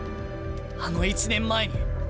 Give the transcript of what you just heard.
あの１年前に。